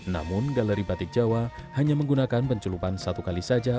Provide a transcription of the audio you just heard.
namun galeri batik jawa hanya menggunakan pencelupan satu kali saja